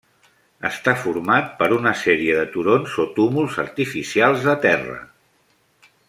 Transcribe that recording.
Està format per una sèrie de turons o túmuls artificials de terra.